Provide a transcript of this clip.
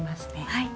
はい。